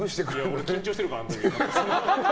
俺、緊張してるから、あの時。